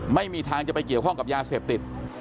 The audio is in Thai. ไม่มีทางจะไปเกี่ยวข้องกับยาเสพติด